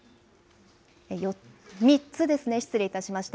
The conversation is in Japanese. ３つですね、失礼いたしました。